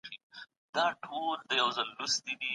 حق ویل تر هر ډول مصلحت پورته دي.